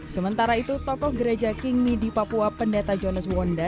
sementara itu tokoh gereja kingmi di papua pendeta jonas wonda